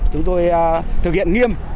chúng tôi thực hiện nghiêm